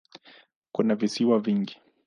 Kuna visiwa vingi.